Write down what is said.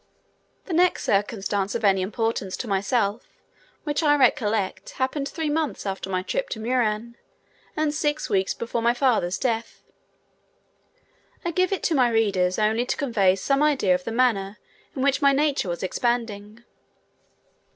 The next circumstance of any importance to myself which I recollect happened three months after my trip to Muran, and six weeks before my father's death. I give it to my readers only to convey some idea of the manner in which my nature was expanding.